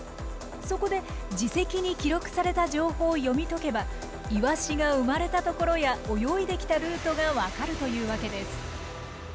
そこで耳石に記録された情報を読み解けばイワシが生まれたところや泳いできたルートがわかるというわけです。